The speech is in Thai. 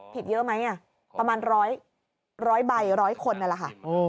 ผิดเยอะไหมประมาณ๑๐๐ใบ๑๐๐คนนั่นแหละค่ะ